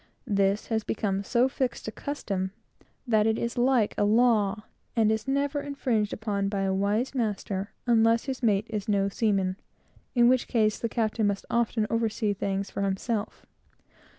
This has become so fixed a custom, that it is like a law, and is never infringed upon by a wise master, unless his mate is no seaman; in which case, the captain must often oversee things for himself.